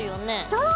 そう！